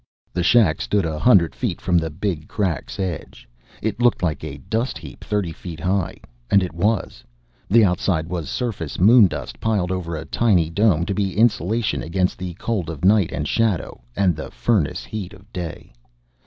The shack stood a hundred feet from the Big Crack's edge. It looked like a dust heap thirty feet high, and it was. The outside was surface moondust, piled over a tiny dome to be insulation against the cold of night and shadow and the furnace heat of day.